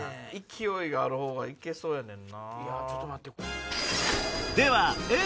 勢いがある方がいけそうやねんな。